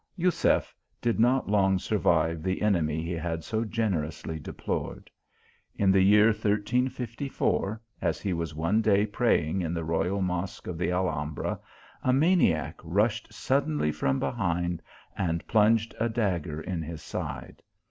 * Jusef did not long survive the enemy he had so generously deplored. In the year 1354, as he was one day praying in the royal mosque of the Aihain bra, a maniac rushed suddenly from behind, and plunged a dagger in his side.